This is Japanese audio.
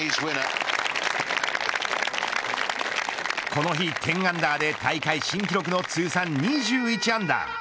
この日、１０アンダーで大会新記録の通算２１アンダー。